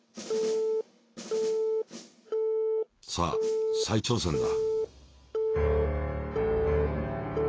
さあ再挑戦だ。